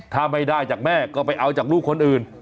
ถ้าไม่ได้จากแม่ก็ไปเอาจากลูกคนอื่น